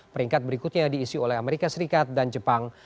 peringkat berikutnya diisi oleh amerika serikat dan jepang